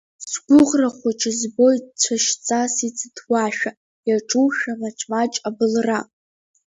Сгәыӷра хәҷы збоит цәашьҵас иӡҭуашәа, иаҿушәа маҷ-маҷ абылра…